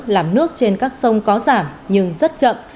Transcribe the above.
làm nước trên các sông có giảm nhưng rất chậm